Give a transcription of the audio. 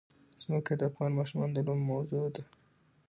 ځمکه د افغان ماشومانو د لوبو موضوع ده.